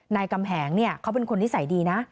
กำแหงเขาเป็นคนนิสัยดีนะ